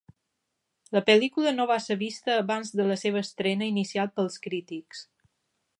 La pel·lícula no va ser vista abans de la seva estrena inicial pels crítics.